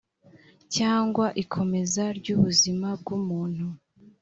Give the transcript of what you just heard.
cyangwa ikomeza ry ubuzima bw umuntu